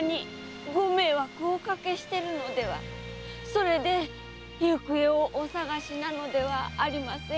それで行方をお捜しなのではありませんか？